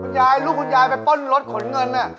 ยายลูกคุณยายไปป้นรถขนเงิน